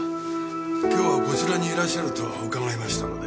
今日はこちらにいらっしゃると伺いましたので。